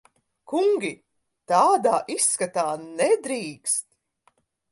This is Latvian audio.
Kungi! Tādā izskatā nedrīkst.